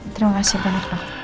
terima kasih pak